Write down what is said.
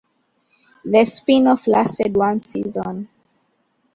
The spin-off lasted one season.